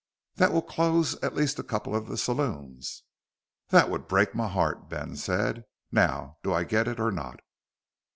"That will close at least a couple of the saloons." "That would break my heart," Ben said. "Now do I get it or not?"